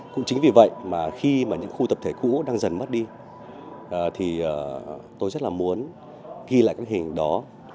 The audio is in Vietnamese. cũng chính vì vậy mà khi mà những khu tập thể cũ đang dần mất đi thì tôi rất là muốn ghi lại các hình đó